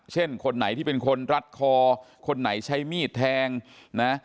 คนไหนที่เป็นคนรัดคอคนไหนใช้มีดแทงนะ